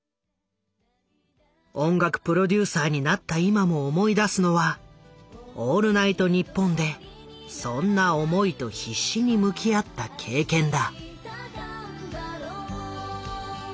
音楽プロデューサーになった今も思い出すのは「オールナイトニッポン」でそんな思いと必死に向き合った経験だ。